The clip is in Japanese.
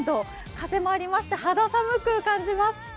風もありまして肌寒く感じます。